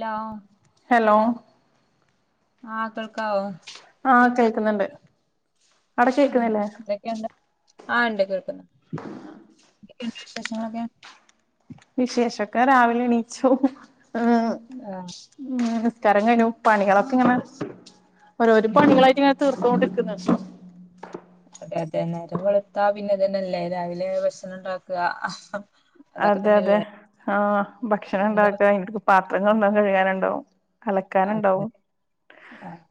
Law hello ആഹ് കേൾക്കാവോ? ആഹ് കേൾക്കുന്നുണ്ട്. അവിടെ കേൾക്കുന്നില്ലേ എന്തൊക്കെയുണ്ട്? ആ ഇണ്ട് കേ [inaudible] വിശേഷങ്ങളൊക്കെ വിശേഷൊക്കെ രാവിലെ എണീച്ചു ഉം ആഹ് നിസ്കാരം കയ്ഞ്ഞു പണികളൊക്കെ ഇങ്ങനെ ഓരോര് ആ പണികളായിട്ടിങ്ങനെ തീർത്തുകൊണ്ട് നഷ് അതെ അതെ നേരം വെളുത്താ പിന്നെ അതന്നെല്ലേ രാവിലെ ഭക്ഷണം ണ്ടാക്കുക ഹാഹ് അതെ അതെ ആഭക്ഷണ അതെ അതെ അതെ ആ ഭക്ഷണണ്ടാക്ക അതെ അതെ ആഹ് ഭക്ഷണ എന്താ അവസ്ഥ? ണ്ടാക്കാൻ ഇൻക്ക് പാത്രങ്ങൾ കഴിയാനുണ്ടാവും അതെ ആഹ്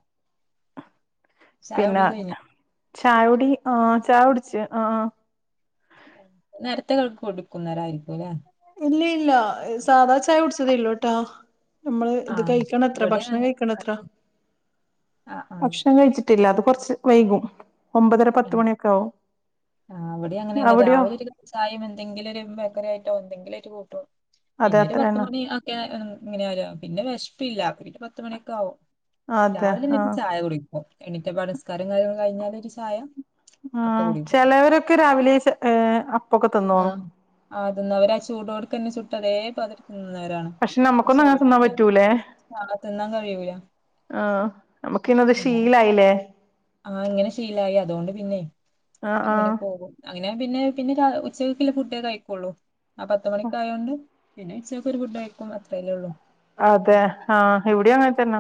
ചായഉടി കയിഞ്ഞൊ? ചായുടി ആഹ ചായ ഉട്ച്ച് ആഹ നേരത്തെകൾ കൊടുക്കുന്നവരായിരിക്കും ല്ലേ? ഇല്ലേ ഇല്ല. ഹ് സാധാ ചായ കുടിച്ചതേ യുള്ളു ട്ടോ. മ്മള് ആ ഇത് കഴിക്കണത്ര, ഇവിടെ ഭക്ഷണം അങ്ങനെ കഴിക്കണത്ര, ആ ആ ഭക്ഷണം കഴിച്ചിട്ടില്ലാത് കൊറ്ച്ച് വൈകും ഒമ്പതര ഉം. പത്ത് മണി ഒക്കാവും. ആ ഇവിടിം അങ്ങനെന്നെ രാവിലെ ഒരു ചായേം എന്തെങ്കിലൊരു ബേക്കറി ആയിട്ടോ എന്തെങ്കിലായിട്ട് കൂട്ടു അതെ പിന്നെ ഒരു അത്രന്നെ പത്തുമണി അക്കെ ഇങ്ങനൊരാ പിന്നെ വെഷ്പ്പില്ല പിന്നെ പത്തുമണിക്കെ ആവും അതെ രാവിലെ എന്നിട്ട് ആഹ് ചായ കുടിക്കും എണീറ്റപാടെ ഇസ്കാരോം കാര്യങ്ങളും കഴിഞ്ഞാല് ഒരു ചായ ആ അപ്പൊ കുടിക്കും ചെലവര ക്കെ രാവിലെ ഏ ആ ആ തിന്നും അവരാ ചൂടോട് കന്നെ ചുട്ടതെ പ പക്ഷെ നമുക്കൊന്നങ്ങനെ തിന്നാൻ പറ്റൂലേ ചായ തിന്നാൻ കഴിയൂല ആ നമ്ക്കിന്നത് പിന്നെ ശീലായിലെ ആ ഇങ്ങനെ ശീലായി അതോണ്ട് പിന്നെ ആഹ് ഇങ്ങനെ ആഹ് പോകും അ പിന്നെ പിന്നെ പിന്നെ രാ ഉച്ചക്ക്ള്ള ഫുഡെ കഴിക്കൊള്ളൂ ആ പത്ത് മണിക്കായോണ്ട് പിന്നെ ഉച്ചക്കൊരു ഫുഡൈക്കും അത്രല്ലേ ഒള്ളൂ അതെ ആ ഇവിടി അങ്ങനതന്നെ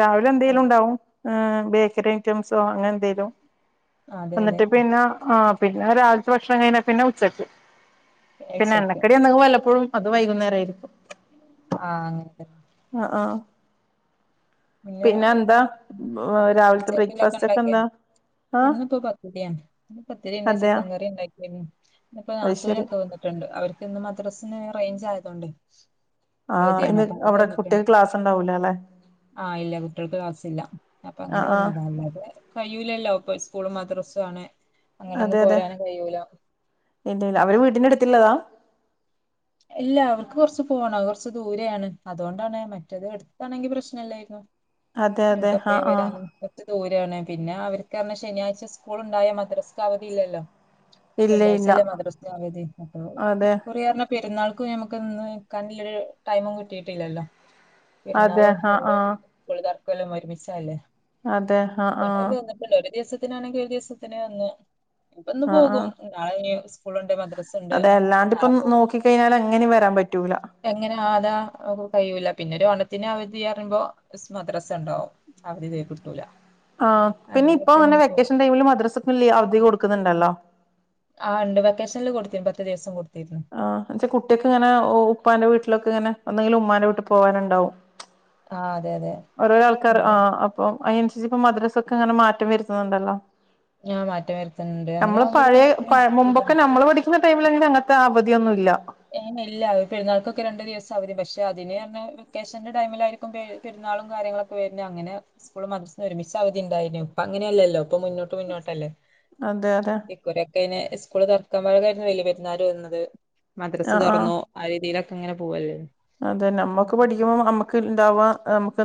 രാവിലെ ആ, എന്തേലുണ്ടാവും ഏ ബേക്കറി ഐറ്റംസോ അങ്ങനെന്തേലും അതെ അതെ എന്നിട്ട് പിന്നെ ആ പിന്നെ രാവിൽത്തെ ഭക്ഷണം കഴിഞ്ഞാ പിന്നെ ഉച്ചക്ക്. പിന്നെ ഉച്ചക്ക് എണ്ണക്കടി എന്തെങ്കിലും വല്ലപ്പഴും അത് വൈകുന്നേരായിരിക്കും. ആ അങ്ങ അ ആ പിന്നെ രാവിലത്തെ ഉച്ചേക്ക്ള്ളക്കെ ബ്രേക്ക്ഫാസ്റ്റ് ഒക്കെ ണ്ടാക്കിയെ എന്താ ആഹ് ഇന്നിപ്പോ പത്തിരിയാ, പത്തിരിണ്ട് അതെയ ചിക്കൻ കറിണ്ടാക്കിരുന്നു. ഇന്ന്പ്പോ അത് ശരി നാത്തൂനൊക്കെ വന്നിട്ടുണ്ട് അവർക്ക് ഇന്ന് മദ്രസ്ന് റേഞ്ച് ആയതോണ്ടെ ആഹ് ഇന്ന് അവിടകുട്യൾക്ക് ക്ലാസ്ണ്ടാവൂലാല്ലെ. ആഹ് ഇല്ല കുട്ട്യോൾക്ക് ക്ലാസില്ല അപ്പൊ അങ്ങനെ ആഹ് ആഹ് വന്നതാ അല്ലാതെ കഴൂലല്ലോപ്പ സ് സ്കൂളും മദ്രസു ആണ് അങ്ങനെ അതെ ഒന്നും അതെ പോരാനും കഴിയൂല എന്തെ അവര് വീടിന്റടുത്തിള്ളതാ ഇല്യാ അവർക്ക് കൊർച്ച് പോണം കൊർച്ച് ദൂരെയാണ് അതൊണ്ടാണ് മറ്റേത് എടുത്താണെങ്കി പ്രശ്നല്ലേയ്രുന്നു അതെ അതെ ആ ആ ദൂരെണ് പിന്നെ അവര്ക്കർഞ്ഞാ ശനിയാഴ്ച സ്കൂള്ണ്ടായ മദ്രസ്ക് അവധിയില്ലല്ലോ. ഇല്ല വെള്ളിയാഴ്ച ഇല്ല അല്ലേ മദ്രസ്ന് അവധി അപ്പൊ അതെ ഇക്കുറിറർഞ്ഞാ ഇന്നാൾക്കും നമുക്ക്ന്ന് നിക്കാൻരു ടൈമും കിട്ടിയിട്ടില്ലല്ലോ അതെ പെരുന്നാളും ആഹ് [unintelligible] ആഹ് ല്ല ഒരുമിച്ചല്ലേ അതെ ആ ആ ത്തിനാണെക്കി ദിവസത്തിന് വന്ന് ഇപ്പന്ന് ആഹ് പോകും ആഹ് നാളെ സ്കൂൾ ഒണ്ട് മദ്ര അതെ അല്ലാണ്ട് ഇപ്പം നോക്കി കഴിഞ്ഞാൽ അങ്ങനെ വരാൻ പറ്റൂല. എങ്ങനെ അതാ അവർക്ക് കഴിയൂല പിന്നെ ഒരു ഓണത്തിന് അവധി പറയുമ്പോ മദ്രസ ഉണ്ടാവും അവധിതീരെ കിട്ടൂല. ആ പിന്നെ ഇപ്പൊ അങ്ങനെയൊക്കെ അങ്ങനെ പോകും വെക്കേഷൻ ടൈമിൽ മദ്രസക്കും അവധി കൊടുക്കുന്നുണ്ടല്ലോ. ആണ്ട് വെക്കേഷനിൽ കൊടുത്ത് പത്ത് ദിവസം കൊടുത്ത്. ആ എന്നച്ചാ കുട്ടിയക്ക് ഇങ്ങനെ ഉപ്പാന്റെ വീട്ടിലക്കെ ഇങ്ങനെ ഒന്നെങ്കിലും ഉമ്മാന വീട്ട് പോകാനുണ്ടാവും ആ അ ഓരോരൊ ആൾക്കാർ ആ അപ്പൊ അയ്നൻസരിച്ചക്കൊ മദ്രസക്ക് ഇങ്ങനെ മാറ്റം വരുത്തുന്നുണ്ടല്ലോ ഞ മാറ്റം വരുത്തുന്നുണ്ട് നമ്മള് അങ്ങനെയാകുമ്പോ ഒരു കണക്കിന് സുഖല്ലെ ടൈമിൽങ്ങനെ അങ്ങൻത്തെ അവധിയൊന്നുല്ല ഇനില്ല പെരുന്നാൾക്കൊക്കെ രണ്ടു ദിവസം അവധി പക്ഷെ അതിന് പറഞ്ഞ വെക്കേഷന്റെ ടൈമില ആയിരിക്കുംപെരുന്നാളും കാര്യങ്ങളൊക്കെ വര്ന്നെ അങ്ങനെ സ്കൂള് മദ്റസാ ഒരുമിച്ച അവധി ഉണ്ടായിന്നു ഇപ്പങ്ങനെയല്ലല്ലോ മുന്നോട്ട് മുന്നോട്ടല്ലേ അതെ അതെ ഈക്ക്വലാക് സ്കൂള് തറക്കുമ്പോഴ [unintelligible] ക്ക് വലിയ പെരുന്നാര് വന്നത് മദ്രസ് ആഹ് ആഹ് തൊറന്നു ആ രീതിയിലൊ അങ്ങനെ പോവല്ലേ അതെ നമ്മക്ക് പഠിക്കുമ്പോ നമ്മുക്ക് ഇണ്ടാവാ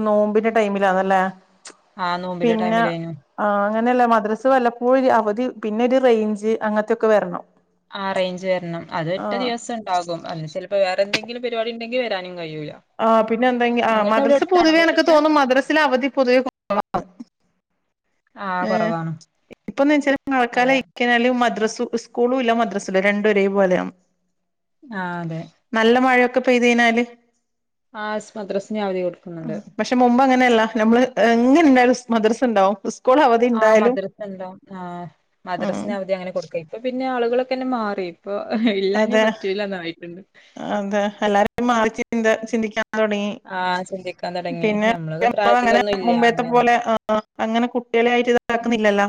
നോമ്പിന്റെ ടൈമിലാന്നല്ലേ ആ നോമ്പിന്റെ പിന്നെ ടൈമിലേനു ആ അങ്ങനെല്ല മദ്രസ വല്ലപ്പോഴ് അവധ് പിന്നെ ഒരു റേഞ്ച് അങ്ങൻത്തെക്കെ വരണം ആറേഞ്ച് വരണം അത് ഒറ്റ ആഹ് ദിവസം ഉണ്ടാകും അന്ന് ചെലപ്പോ വേറെ എന്തെങ്കിലുംപരിപാടി ഇണ്ടെങ്കിൽ വരാനും കഴിയൂല ആ പിന്നെ എന്തെങ്ക ആ നിങ്ങളുടെ അവിടെ മദ്രസ് അടുത്താണോ പൊതുവേനിക്ക് വീടൊക്കെ തോന്നും മദ്രസില് അവധി പൊതുവെ കൊറവാന്ന് ആ ഏഹ് കുറവാണ് ഇപ്പൊന്ന് വെച്ചാ അതെ മഴക്കാലായ്ക്ക്യലും മദ തു സ്കൂളൂല്ല മദ്രസ്സുല രണ്ടു ഒരേ പോലെയാവണം ആഹ് അതെ ക്കെ പെയ്ത കഴിഞ്ഞാൽ ആഹസ് മദ്രസ് ഞ്ഞ അവധി കൊടുക്കുന്നുണ്ട് നല്ല നമ്മള് എങ്ങനെണ്ടായാൽ മദ്രസുണ്ടാവും ആഹ് മദ്രസ്സണ്ടൊ ആ ഉം മദ്രസ്ന് അവധി അങ്ങനെ കൊടുക്ക ഇപ്പൊ പിന്നെ പിന്നെ ആളുകളൊക്കെന്നെ മാറി ഇപ്പൊ ഇല്ലാഞ്ഞ അതെ പറ്റൂലന്നായിട്ടുണ്ട് അതെ എല്ലാരു മാറിന്ത ചിന്തിക്കാൻ തൊടങ്ങി ആ ചിന്തിക്കാൻ തുടങ്ങി പിന്നെ നമ്മളൊക്കെ ഞ്ഞമ്മളങ്ങനെ പ്രായത്തിലൊന്നും ഇല്ല മുമ്പേത്തെ അങ്ങനെ പോലെ [unintelligible] അങ്ങനെ കുട്ട്യേളെ ആയിട്ട് ഇതാക്കുന്നില്ലല്ലോ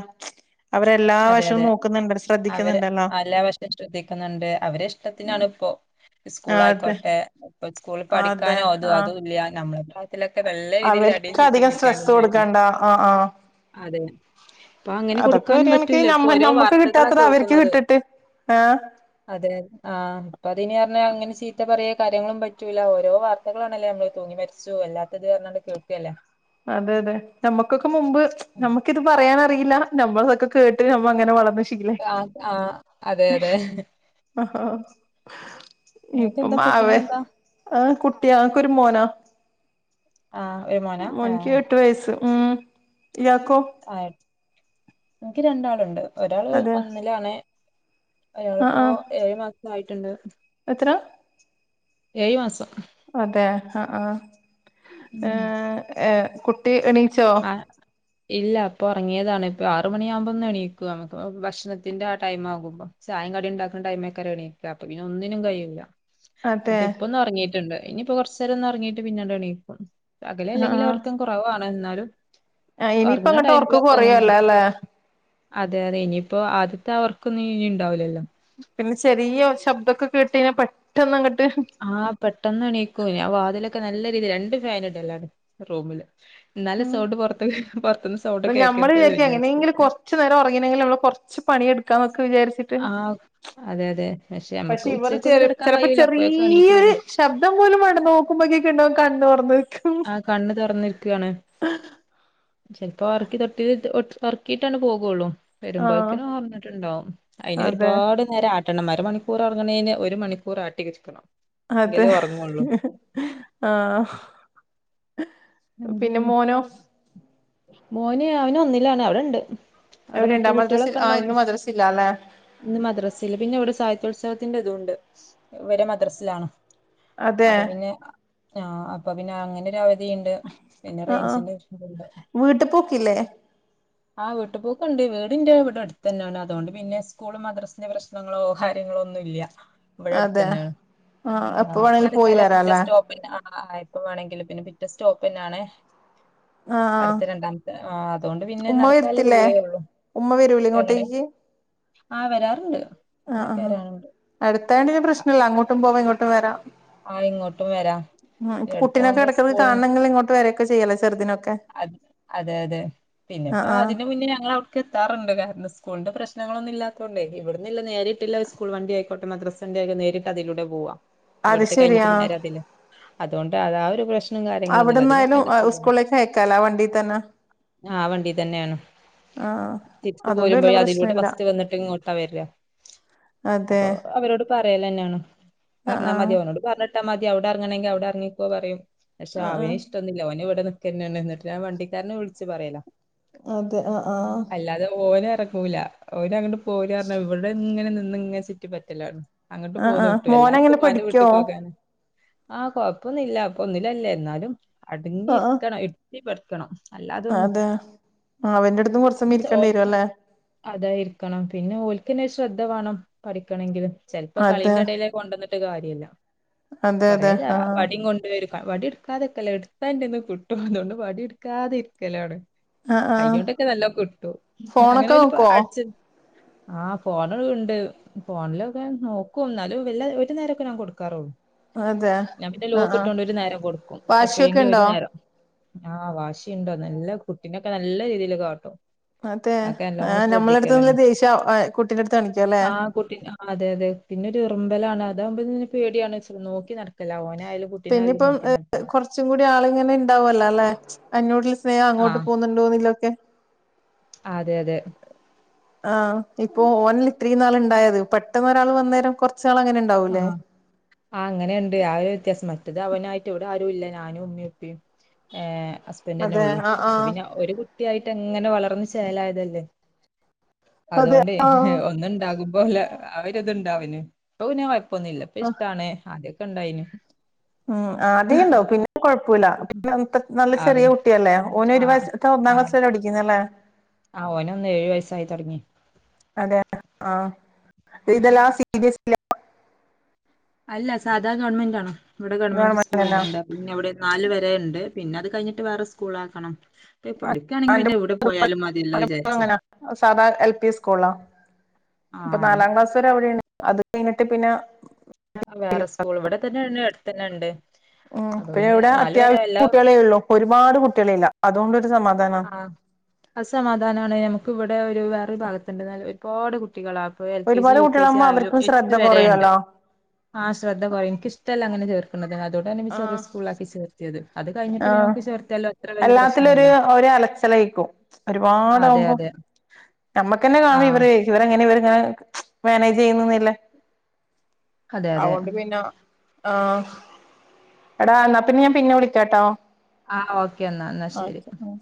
അവരെല്ലാ അതെ വശവും അതെ നോക്കുന്നുണ്ടല്ലോ അവര് ശ്രദ്ധിക്കുന്നുണ്ടല്ലോ അല്ലാവശം ശ്രദ്ധിക്കുന്നുണ്ട് അവരെ ഉം ഇഷ്ടത്തിനാണ് ഇപ്പോ സ്കൂൾ അതെ ആയിക്കോട്ടെ ഇപ്പ സ്കൂളിൽ അതെ പഠിക്കാനോ ഇതൊ അതോ ആഹ് അത ഇല്ല ഞമ്മളെ [unintelligible] ക്കെ നല്ല രീതിൽ അടിയു അവർക്ക് ചീത്തിം അധികം കിട്ട്യാണ്ട് സ്ട്രെസ്സ് വര്ന്ന് കൊടുക്കണ്ട ആഹ് ആഹ് അതെ അപ്പൊ അങ്ങനെ അതൊക്കെ ഒരു കൊടുക്കാനും പറ്റ് കണക്ക് ഇല്ല ഇപ്പോ ഞമ്മ ഞമ്മക്ക് വാർത്തകളാ കിട്ടാത്തത് കേൾക്ക് അവർക്ക് ന്നത് കിട്ടട്ട് ആഹ് അതെ ആഹ് പതിനെ ക അങ്ങനെ ചീത്ത പറയെ കാര്യങ്ങളും പറ്റൂല്ല ഓരോ വാർത്തകളാണല്ലേ നമ്മള് തൂങ്ങി മരിച്ചു അല്ലാത്തത് പറഞ്ഞാണ്ട് കേൾക്കല്ലേ അതെ അതെ നമ്മുക്കൊക്കെ മുമ്പ് നമുക്കിത് പറയാന അറില്ല നമ്മളതൊക്കെ കേട്ട് നമ്മ അങ്ങനെ വളർന്ന ആ ആ അതെ അതെ ആഹ നിങ്ങക്ക് ഇപ്പൊ എന്താ ഫുഡിന് മാവേ എന്താ ആ കുട്ടിയ എനക്കൊരു മോനാ ആഹ് ഒരു മോനാ ആഹ് ഇയാൾക്ക്കോ ആഹ് എനിക്ക് രണ്ടാളുണ്ട് ഒരാള് അതെ ഒന്നിലാണ് ആഹ് ഒരാളിപ്പോ ആഹ് ഏഴ് മാസം ആയിട്ടുണ്ട് എത്ര ഏഴു മാസം അതെ ആ ആ ഏ ഉം ഏ കുട്ടി എണീ ആഹ് ഇല്ല അപ്പൊ ഉറങ്ങിയതാണ് ഇപ്പൊ ആറു മണിയാകുമ്പോന്ന് എണീക്കുക നമ്മക്ക് ഭക്ഷണത്തിന്റെ ആ ടൈംമാകുമ്പോ ചായം കടി ഉണ്ടാക്കുന്ന ടൈമ ആയിക്കാരും എണീക്കുക അപ്പൊങ്കി ഇനി ഒന്നിനും കഴിയൂല്ല അതെ ഇപ്പന്നും ഉറങ്ങിട്ടുണ്ട് ഇനിയിപ്പ കൊറച്ച് നേരം ഒന്ന് ഉറങ്ങിട്ട് പിന്നീടെണീക്കും പകൽ അല്ലെങ്കിൽ ആഹ് ഉർക്കം കുറവാ എന്നാലും ആഹ് ഇനിയിപ്പ ഉറങ്ങണ അങ്ങട്ട് ഒർക്ക് ടൈമിലൊക്കെ കൊറയല്ലേ ഇങ്ങനെടുക്കും അല്ലെ അതെ അതെ ഇനിപ്പോ അത് ഉറക്കൊന്നും ഇനി ഇണ്ടാവില്ലല്ലോ പിന്നെ ചെറിയ ശബ്ദൊക്കെ കേട്ടഴ്ഞ്ഞ പെട്ടെന്ന്ട്ങ്ങട്ട് ആഹ പെട്ടെന്ന് എണീക്കൂ ഞാൻ വാതിലൊക്കെ നല്ല രണ്ട് ഫാൻ ഇടെല്ലാണ് റൂമില് എന്നാല സോണ്ട് പുറത്ത [unintelligible] പുറത്തുന്ന് നമ്മള് വിചാരിക്കും എങ്ങനെങ്കില കൊറച്ച് നേരം ഉറങ്ങണെങ്കിൽ നമ്മള് കൊറച്ച് പണിയെടുക്ക ആഹ് അതെ അതെ നമുക്ക് പക്ഷെ ഇവർ ചെ ഉച്ചയ്ക്കൊന്നും കിടക്കാൻ ചിലപ്പോ കഴിയൂല അപ്പോഴൊക്കെ എണീറ്റ് ചെറിയൊരു വരും ശബ്ദം പോലും വേണ്ട നോക്കുമ്പോക്കൊക്കെ ഇണ്ടാവും കണ്ണോർന്ന്‌ ആഹ കണ്ണ് തുറന്നിരിക്കുകയാണ് ചിലപ്പോ ഒറക്കി തൊട്ടി ഇട്ട് ഒറക്കിയിട്ടാണ് പോകുള്ളൂ ആഹ് വരുമ്പോഴേക്കനും ഒണർന്നിട്ടുണ്ടാവും അതിന് അതെ ഒരുപാട് നേരം ആട്ടെണം അരമണിക്കൂർ മണിക്കൂറൊറങ്ങണെന് ഒരു മണിക്കൂർ ആട്ടിരിക്കണം അതെ ആഹ പിന്നെ മോനോ മോന അവന ഒന്നില്ലാണ് അവിടെണ്ട് അവിടെ മറ്റേ എവിടെണ്ടാ മദ്രസിൽ കുട്ടികളൊക്കെ ഉണ്ടോ ആഹ് ഇന്ന് മദ്രസില്ലാല്ലേ ഇ മദ്രാസിൽ പിന്നെ ഇവിടെ സാഹിത്യത്സവ ത്തിന്റെ ഇതണ്ട് വരെ മദ്രാസിലാണ് അതെ അപ്പൊ പിന്നെ ആഹ അപ്പൊ പിന്നെ അങ്ങനെ ഒരു അവധിയുണ്ട് പിന്നെ ആഹ റേഞ്ചിന്റെ വീട്ട പൊക്കല്ലേ ആഹ് വീട്ടപോക്കുണ്ട് വീടിന്റെ ഇവിടെ അടുത്ത് തന്നൊണ് അതുകൊണ്ട് പിന്നെ സ്കൂൾ മദ്രസിന്റെ പ്രശ്നങ്ങളോ കാര്യങ്ങളോ ഒന്നും ഇല്ല ഇവിടെ അടുത്ത അതെ തന്നെയ ആഹ് എപ്പ ആ വേണേലും പോയി നടക്കാലറ്റ വരാല്ലേ സ്റ്റോപ്പ ആ എപ്പ വേണെങ്കിൽ പിന്നെ പിറ്റോ പിന്നാണേ ആഹ് ആഹ് അടുത്ത രണ്ടാമത്തെ ആ അതുകൊണ്ട് പിന്നെ ഉമ്മ നടക്കല്ലേ വരത്തില്ലേ ദൂരേ ഉള്ളു ഉമ്മ വരൂലേ എങ്ങനെ ഇങ്ങോട്ടേക്ക് ആഹ് വരാറുണ്ട് ആ് അങ്ങനെയൊക്കെ ആ് വരാറുണ്ട് അടുത്താണ്ടിന് പ്രശ്നല്ല അങ്ങോട്ടും പോവാ ഇങ്ങോട്ടും അ വരാം ആഹ് ഇങ്ങോട്ടും വരാ ഉം എടുത്ത ആകുമ്പോ സ്കൂൾ ചെയെ അത അതെ അതെ ആഹ് പിന്നെപ്പോ ആഹ് അതിന് മുന്നേ ഞങ്ങൾ അവിടക്ക് എത്താറുണ്ട് കാരണം സ്കൂളിന്റെ പ്രശ്നങ്ങളൊന്നില്ലാത്തോണ്ടെ ഇവിടന്നില്ല നേരെ ഇല്ല സ്കൂൾ വണ്ടി അയ [unintelligible] മദ്രസന്റെ ഒക്കെ നേരിട്ട് അതിലൂടെ പോവാ അത് ഇവിടത്തെ ശരിയാ കഴിഞ്ഞിട്ട് നേരാതില്ലേ അതുകൊണ്ട് അത ആ ഒരു പ്രശ്ന അവിടുന്നായാലും സ്കൂളിലേക്കയ ആ വണ്ടി തന്നെയാണ് ആഹ് തിരിത്ത് അതുകൊണ്ട് വല്യ പോരുമ്പോഴും അതിലൂടെ പ്രശ്നല്ല ഫസ്റ്റ് വന്നിട്ട് ഇങ്ങോട്ടാ വരാ അതെ അപ്പൊ അവരോട് പറയലന്നെയാണ് ആഹ് പറഞ്ഞാൽ മതി അവനോട് പറഞ്ഞിട്ട് [unintelligible] മതി അവിടെ അർങ്ങണങ്കിൽ അവിടെ അർങ്ങിക്കോ പറയും പക്ഷെ ആഹ് ആഹ് അവന് ആഹ് ഇഷ്ടൊന്നില്ല അവന് ഇവിടെന്ന് [unintelligible] ന്നിട്ട് ഞാ വണ്ടിക്കാരനെ വിളിച്ച് പറയല അതെ ആഹ ആഹ് പോലാ ഓനങ്ങ പോഉല ഇവിട ഇങ്ങനെ ന്ന്ങ്ങ ചുറ്റി പറ്റലാണ് അങ്ങോട്ട് ആഹ് ആഹ് പോകന്ന്ട്ടു എല്ലാർക്കും മോനങ്ങനെ മ്മാൻ്റെ പഠിക്കോ വിട്ടക്ക് പോകാന ആഹ് കൊഴപ്പൊന്നില്ല ഇപ്പൊ ഒന്നിലല്ലെ എന്നാലും അടങ്ങി ആഹ് ആഹ് രുത്തി പടിക്കണം അതെ അവന്റെടുത്തും കുറ സമയം ഇരിക്കേണ്ടി വരും ഓൽക്ക് അല്ലേ അതായിരിക്കണം പിന്നെ ഓൽക്കന്നെ ഒരു ശ്രദ്ധ വേണം പഠിക്കണങ്കില് ചെലപ്പോ അതെ കളിന്റെ ഇടെലേ കൊണ്ടന്ന് ട്ട് കാര്യവില്ല അതെ അതെ കൊറേതാ ആഹ് വടിം കൊണ്ട് വരും വടി എടുക്കാനിക്കില്ല എടുത്താ എന്റെ കൈന്ന് കൊ ട്ടോ അതുകൊണ്ട് വടിയെടുക്കാതെ ഇരിക്കലാണ് ആഹ് ആഹ് കൈയ്യോണ്ടൊക്കെ നല്ലോ കിട്ടും അങ്ങനെ ഫോണൊക്കെ ഓല് നോക്കോ അടിച്ച് ആ ഫോണ് ഉണ്ട് ഫോണിലൊക്കെ നോക്കും ന്നാലും വല്ല ഒരു നേരൊക്കെ ഞാൻ കൊടുക്കാറുള്ളൂ അതെ ഞൻ പിന്നെ ആഹ് ആഹ് ലോക്കിട്ടോണ്ട് ഒരു നേരം കൊടുക്കും വാശിയൊക്കെ എപ്പോഴങ്കിലും ഉണ്ടോ ഒരു നേരം ആഹ് വാശിയുണ്ടോ നല്ല കുട്ടിനൊക്കെ നല്ല രീതിയില് കാട്ടും അതേ അതൊക്കെ ആ നല്ലോണം നമ്മളടുത്തുനൊള്ള ശ്രദ്ധിക്കലാണ്. ദേഷ്യം അ കുട്ടീൻ്റെടുത്ത് കാണിക്കുല്ലേ ബലാണ് അതാകുമ്പ ഇതിനു പേടിയാണ് ഇച്ഛരെ നോക്കി നട പിന്ന് ഇപ്പം ഏ കുറച്ചും കൂടി ആള് ഇങ്ങനെ ഇണ്ടാവല്ല അല്ലേ അനുട്ടിൽ സ്നേഹം ആ അങ്ങോട്ട് പോന്നുണ്ടോന്നില്ലോക്കെ അതെ അതെ ആ ഇപ്പൊ ഓൻ ലിത്രീ നാൾ ഉണ്ടായത് പെട്ടന്ന് ഒരാൾ വന്നേരം കൊറ് ആഹ് ആഹ് ആ അങ്ങനെണ്ട് ആ ഒരു വ്യത്യാസം മാറ്റാത് അവനായിട്ട് ഇവിടെ ആരുല്ല ഞാനും ഉമ്മിഉപ്പേം ഏ ഹസ്ബറ്റ് തന്നെ അതെ ഉള്ളു ആഹ് അപ്പൊ ആഹ് പിന്നെ ഒരു കുട്ടിയായിട്ട് അങ്ങനെ വളർന്ന് ചെലയതല്ലേ അതെ അതുകൊണ്ടെ ആഹ് ഒന്നുണ്ടാകും പോലെ അവരിതുണ്ട അവന് ടോവിനെ ഇപ്പൊന്നില്ല ഇപ്പ ഇഷ്ടണ് ആത്യ ക്കെണ്ടായിന് ഉം ആതി ഉണ്ടവു പിന്നെ കൊഴപ്പില്ല പിന്നെ നത് നല്ല ആവി ചെറിയ കുട്ടിയല്ലേ ഓന് ആ ഒരു വയസ്സ് ട്ടോ ഒന്നാം ആ ക്ലാസ്സില പഠിക്കുന്നല്ലേ ആ ഓന് ഒന്ന് ഏഴു വയസായി തുടങ്ങി അതെ ആഹ് ഇതെല്ലാം സീരിയസ്ല്ല അല്ല സാധാ ഗവൺമെന്റണോ ഇവിടെ ഗവൺമെന്റ് സ്കൂൾ തന്നെയണ്ട് പിന്നെ ഇവിടെ നാല് വരെ ഉണ്ട് പിന്നെ അത് കഴിഞ്ഞിട്ട് വേറെ സ്കൂള ആക്കണം മതിയല്ലോ വിചാരിച്ച് എങ്ങനാ സാദാ എൽ പി സ്കൂളാ ആ ഇപ്പൊ അതെ നാലാം ക്ലാസ് വരെ അടൊണ് അത് കഴഞ്ഞിട്ട് പിന്നെ ആ വേറെ സ്കൂൾ ഇവിടെന്ന ഇടുത്തന്നെ ഉണ്ട് ഉ അപ്പൊ പിന്നെ ഇവിടെ നാല് വരെ അത്യാവശ്യം എല്ലാ കുട്ടികളെ ഉള്ളൂ ഒരുപാട് കുട്ടികളെ ഇല്ല അതുകൊണ്ട് ആഹ അസമാധാനമാണ് നമുക്ക് ഇവിടെ ഒരു വേറൊരു ഭാഗത്തുണ്ടാലും പാട് കു കുട്ടികളപ്പ എൽ കെ സി ഒരുപാട് യു കെ സി കുട്ടികളാകുമ്പോ ആയാലും അവർക്കും എച്ച ശ്രദ്ധ വരേണ്ട് കുറയുമല്ലോ ആ ശ്രദ്ധ കുറ എനിിക്ക ഇഷ്ടല്ലാം അങ്ങനെ ചേർക്ക [unintelligible] അതോടാണ് ചെറിയ ആഹ് സ്കൂളാക്കി ചേർത്തിത് അത് കഴിഞ്ഞട്ട് നോക്ക് ചേർത്തിയാലോ അത്ര വലിയ പ്രശ്നമല്ല അലച്ചിലയിക്കും ഒരുപാട ആവുമ്പോ അതെ നമ്മുക്ക് തന്നെ ആ കാണും ഇവര് ഇവർങ്ങനെ ഇവങ്ങനെ മാനേജ് ചെയ്യുന്നന്നില്ല അതെ അതെ അതൊണ്ട് പിന്നെ ആ എടാ എന്നാപ്പിന്നെ വിളിക്കാട്ടോ ആ ഒകെന്ന ന്നാ ശെരി ഓക്കെ ഉം